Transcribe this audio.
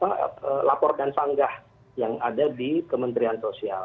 dan laporan sanggah yang ada di kementerian sosial